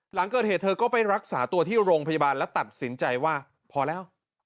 หลังเกิดเหตุเธอก็ไปรักษาตัวที่โรงพยาบาลและตัดสินใจว่าพอแล้ว